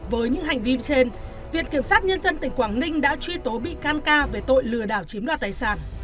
với những hành vi trên viện kiểm sát nhân dân tỉnh quảng ninh đã truy tố bị can ca về tội lừa đảo chiếm đoạt tài sản